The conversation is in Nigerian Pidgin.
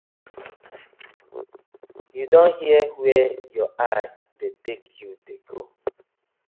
Yu don hear where yur eye dey tak you dey go.